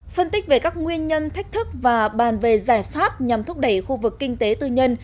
phân tích về các nguyên nhân thách thức và bàn về giải pháp nhằm thúc đẩy khu vực kinh tế tư nhân